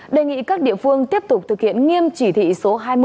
đề nghị các địa phương tiếp tục thực hiện nghiêm chỉ thị số hai mươi